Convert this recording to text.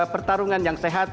pertarungan yang sehat